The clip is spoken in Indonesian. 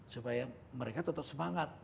supaya mereka tetap semangat